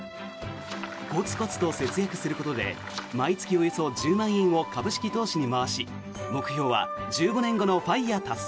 コツコツと節約することで毎月およそ１０万円を株式投資に回し目標は１５年後のＦＩＲＥ達成。